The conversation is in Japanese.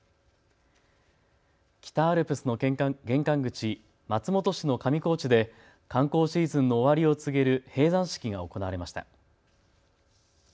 北アルプスの玄関口、松本市の上高地で観光シーズンの終わりを告げる閉山式が行われました。